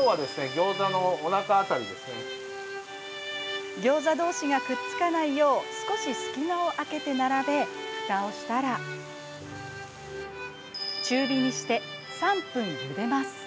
ギョーザどうしがくっつかないよう少し隙間を空けて並べふたをしたら中火にして３分ゆでます。